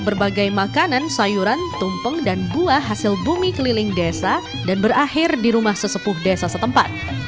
berbagai makanan sayuran tumpeng dan buah hasil bumi keliling desa dan berakhir di rumah sesepuh desa setempat